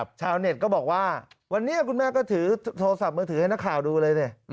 ชาวเน็ตก็บอกว่าวันนี้คุณแม่ก็ถือโทรศัพท์มือถือให้นักข่าวดูเลยเนี่ย